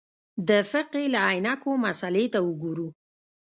د فقهې له عینکو مسألې ته وګورو.